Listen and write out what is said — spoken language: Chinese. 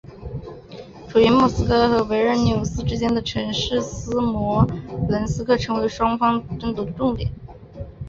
处于莫斯科和维尔纽斯之间的城市斯摩棱斯克成为双方争夺重点。